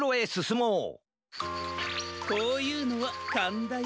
もうこういうのはカンだよカン！